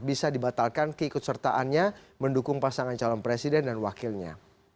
bisa dibatalkan keikutsertaannya mendukung pasangan calon presiden dan wakilnya